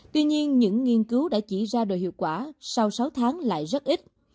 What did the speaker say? tuy nhiên những nghiên cứu đã chỉ ra đồ hiệu quả sau sáu tháng lại rất ít